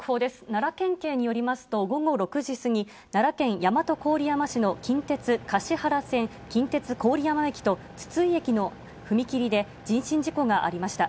奈良県警によりますと、午後６時過ぎ、奈良県大和郡山市の近鉄橿原線近鉄郡山駅と筒井駅の踏切で人身事故がありました。